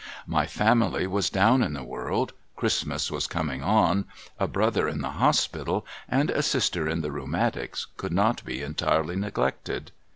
My family was down in the world, Christmas was coming on, a brother in the hospital and a sister in the rheumatics could not be entirely neglected.